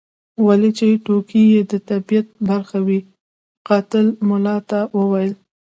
ولو چې ټوکې یې د طبیعت برخه وې قاتل ملا ته وویل.